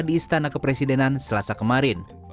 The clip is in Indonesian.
di istana kepresidenan selasa kemarin